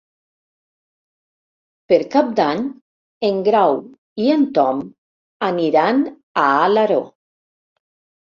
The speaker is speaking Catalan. Per Cap d'Any en Grau i en Tom aniran a Alaró.